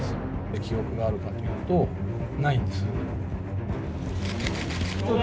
記憶があるかというと、ないんです。